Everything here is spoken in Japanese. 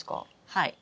はい。